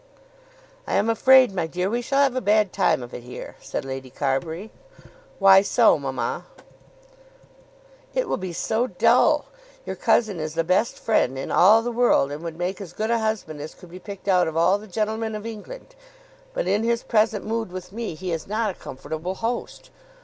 "I am afraid, my dear, we shall have a bad time of it here," said Lady Carbury. "Why so, mamma?" "It will be so dull. Your cousin is the best friend in all the world, and would make as good a husband as could be picked out of all the gentlemen of England; but in his present mood with me he is not a comfortable host.